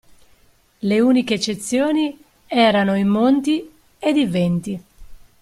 Le uniche eccezioni erano i Monti ed i Venti.